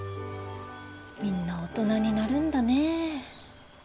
みんな大人になるんだね。